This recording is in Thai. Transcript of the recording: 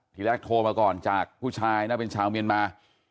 ทีแรกโทรมาก่อนจากผู้ชายนะเป็นชาวเมียนมา